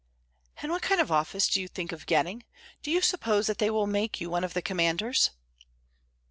"And what kind of office do you think of getting? Do you suppose that they will make you one of the commanders?"